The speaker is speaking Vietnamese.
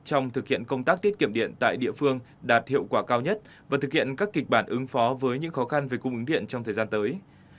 trong thực hiện công tác tiết kiệm điện tại địa phương đạt hiệu quả cao nhất và thực hiện các kịch bản ứng phó với những khó khăn về cung ứng điện trong thời gian tới